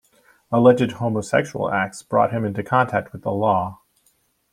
Alleged homosexual acts brought him into contact with the law.